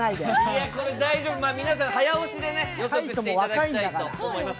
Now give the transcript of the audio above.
皆さん早押しで予測していただきたいと思います。